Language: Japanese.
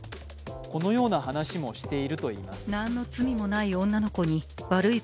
このような話もしているといいます。